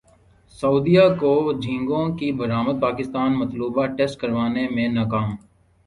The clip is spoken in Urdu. سعودیہ کو جھینگوں کی برامد پاکستان مطلوبہ ٹیسٹ کروانے میں ناکام